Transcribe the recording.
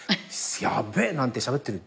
ヤッベえなんてしゃべってる。